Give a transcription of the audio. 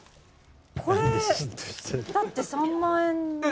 「これだって３万円で」